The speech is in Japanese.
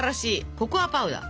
ココアパウダー。